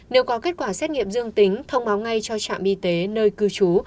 nếu có kết quả xét nghiệm dương tính thông báo ngay cho trạm y tế nơi cư trú